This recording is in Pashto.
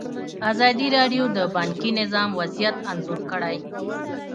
ازادي راډیو د بانکي نظام وضعیت انځور کړی.